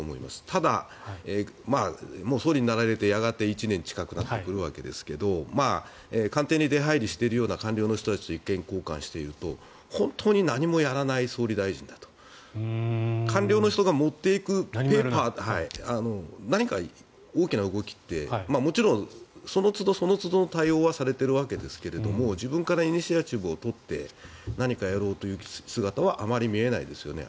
ただ、総理になられてやがて１年近くなってくるわけですが官邸に出入りしているような官僚の人たちと意見交換していると本当に何もやらない総理大臣だと。官僚の人が持っていくペーパー何か大きな動きってもちろんそのつどそのつどの対応はされているわけですが自分からイニシアチブを取って何かやろうとする姿はあまり見えないですよね。